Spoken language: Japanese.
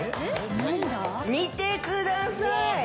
見てください。